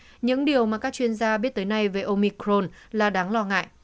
tuy nhiên những điều mà các chuyên gia biết tới nay về omicron là đáng lo ngại